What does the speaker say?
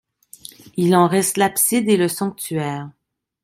Il en reste l'abside et le sanctuaire.